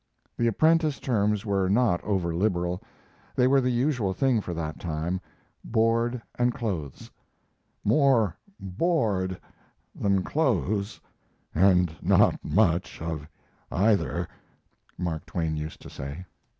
The apprentice terms were not over liberal. They were the usual thing for that time: board and clothes "more board than clothes, and not much of either," Mark Twain used to say.